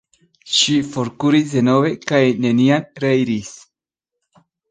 Ŝi forkuris denove kaj neniam reiris.